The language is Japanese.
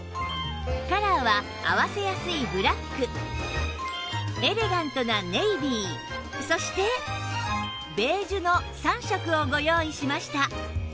カラーは合わせやすいブラックエレガントなネイビーそしてベージュの３色をご用意しました